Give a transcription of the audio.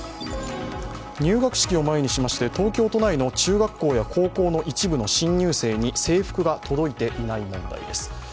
入学式を前にしまして東京都内の中学校や高校の制服が届いていない問題です。